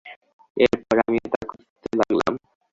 এরপর, আমিও তা খুঁজতে লাগলাম।